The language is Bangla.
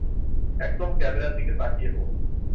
একদম ক্যামেরার দিকে তাকিয়ে বলুন!